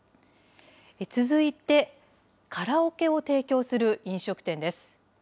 続いて、カラオケを提供する飲食店です。